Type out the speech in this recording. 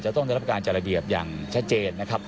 ต้องได้รับการจัดระเบียบอย่างชัดเจนนะครับ